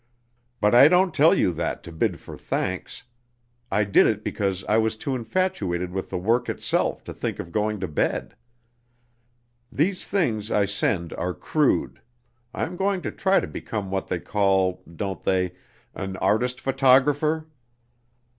But I don't tell you that to bid for thanks. I did it because I was too infatuated with the work itself to think of going to bed. These things I send are crude. I am going to try to become what they call don't they? an 'artist photographer.'